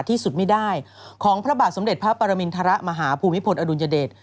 สุดที่สุดไม่ได้ของพระบาทสมเด็จพระปรบินฐะระมหาภูมิพลยภนนรดุณเยด